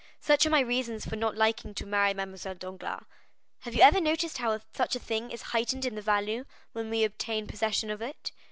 "Such are my reasons for not liking to marry Mademoiselle Danglars. Have you ever noticed how much a thing is heightened in value when we obtain possession of it?